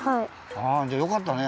あじゃあよかったね！